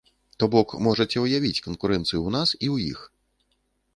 То бок, можаце ўявіць канкурэнцыю ў нас, і ў іх.